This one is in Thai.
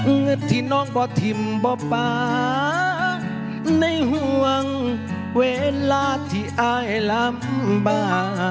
เงินที่น้องบ่ทิมบ่อฟ้าในห่วงเวลาที่อายลำบาก